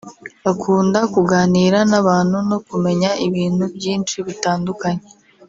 akunda kuganira n’abantu no kumenya ibintu byinshi bitandukanye